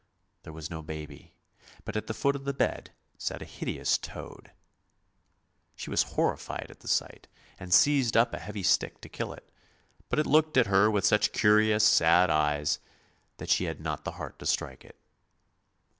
There was no baby, but at the foot of the bed sat a hideous toad. She was horrified at the sight, and seized up a heavy stick to kill it, 280 ANDERSEN'S FAIRY TALES but it looked at her with such curious sad eyes, that she had not the heart to strike it.